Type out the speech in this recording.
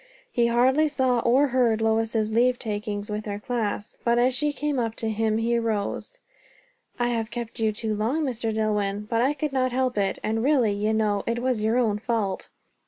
He hardly saw or heard Lois's leave takings with her class, but as she came up to him he rose. "I have kept you too long, Mr. Dillwyn; but I could not help it; and really, you know, it was your own fault."